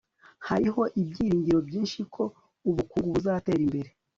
hariho ibyiringiro byinshi ko ubukungu buzatera imbere